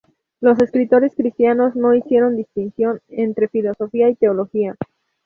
Los escritores cristianos no hicieron distinción entre filosofía y teología.